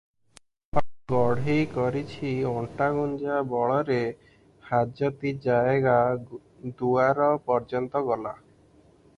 ଗୋପାଳ ଘଡ଼େଇ କିଛି ଅଣ୍ଟାଗୁଞ୍ଜା ବଳରେ ହାଜତି ଜାଏଗା ଦୁଆର ପର୍ଯ୍ୟନ୍ତ ଗଲା ।